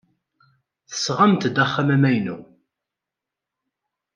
Tesɣamt-d axxam amaynu.